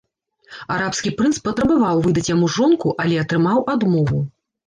Арабскі прынц патрабаваў выдаць яму жонку, але атрымаў адмову.